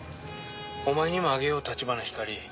お前にもあげよう橘ひかり。